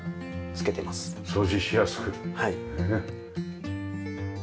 掃除しやすくねえ。